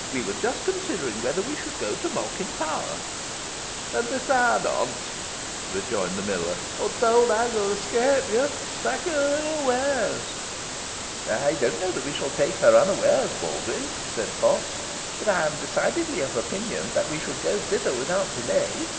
"We were just considering whether we should go to Malkin Tower." "Then decide upon 't," rejoined the miller, "or th' owd hag win escape ye. Tak her unaweares." "I don't know that we shall take her unawares, Baldwyn," said Potts; "but I am decidedly of opinion that we should go thither without delay.